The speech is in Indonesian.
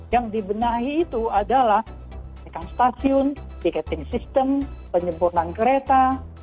yang dibenahi itu adalah stasiun ticketing system penyempurnaan kereta